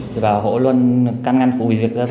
thì bảo hộ luân căn ngăn phụ